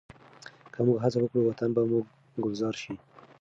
که موږ هڅه وکړو، وطن به مو ګلزار شي.